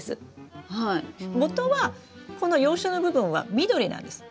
もとはこの葉鞘の部分は緑なんです。